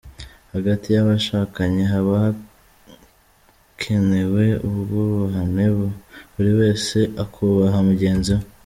Hagati y’abashakanye haba kanewe ubwubahane, buri wese akubaha mugenzi we.